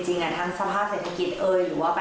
โรงงานเราก็จะสู้เหมือนกันค่ะ